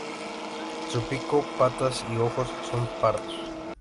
Su pico, patas y ojos son pardos.